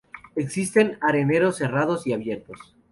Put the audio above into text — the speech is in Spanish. Existen areneros cerrados y abiertos.